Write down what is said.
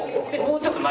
もうちょっと。